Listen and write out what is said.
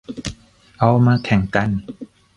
เอามาแข่งกัน